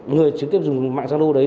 người trực tiếp dùng mạng zano đấy